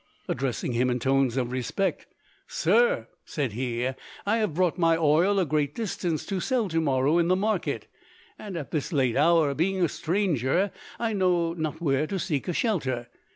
Addressing him in tones of respect, "Sir," said he, "I have brought my oil a great distance to sell to morrow in the market; and at this late hour, being a stranger, I know not where to seek for a shelter.